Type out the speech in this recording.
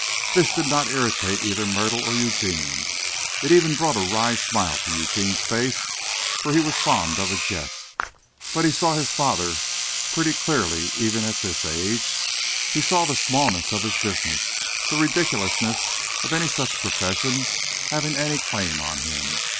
This did not irritate either Myrtle or Eugene. It even brought a wry smile to Eugene's face for he was fond of a jest; but he saw his father pretty clearly even at this age. He saw the smallness of his business, the ridiculousness of any such profession having any claim on him.